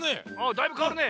だいぶかわるね！